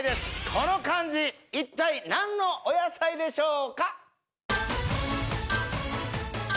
この漢字一体何のお野菜でしょうか？